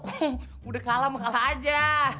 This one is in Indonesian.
udah kalah mah kalah aja